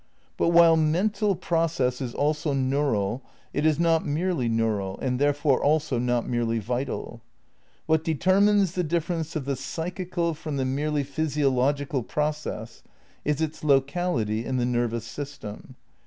* "But while mental process is also neural, it is not merely neural, and therefore also not merely vital." °... "What determines the difference of the psychical from the merely physiological process is its locality in the nervous system."